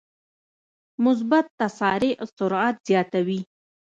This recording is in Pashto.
مثبت تسارع سرعت زیاتوي.